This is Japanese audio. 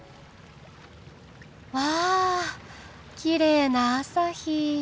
わあきれな朝日。